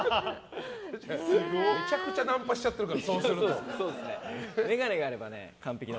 めちゃくちゃナンパしちゃってるからそれだと。